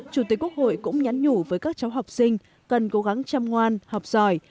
chủ tịch quốc hội cũng nhắn nhủ với các cháu học sinh cần cố gắng chăm ngoan học giỏi